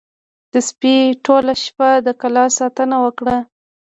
د سپي ټوله شپه د کلا ساتنه وکړه.